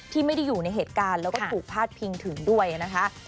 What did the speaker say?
ที่ไม่ได้อยู่ในเหตุการณ์แล้วก็ถูกพาดพิงถึงด้วยนะคะ